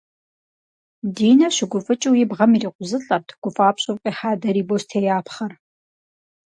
Динэ щыгуфӏыкӏыу и бгъэм ирикъузылӏэрт гуфӏапщӏэу къихьа дарий бостеяпхъэр.